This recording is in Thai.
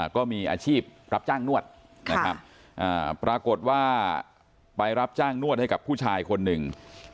ก็มีอาชีพรับจ้างนวดนะครับปรากฏว่าไปรับจ้างนวดให้กับผู้ชายคนหนึ่ง